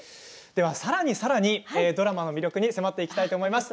さらにさらに、ドラマの魅力に迫っていきたいと思います。